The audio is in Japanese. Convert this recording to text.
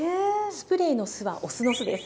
スプレーのスはお酢の酢です。